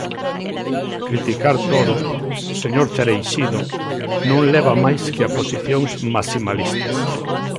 Criticar todo, señor Cereixido, non leva máis que a posicións maximalistas.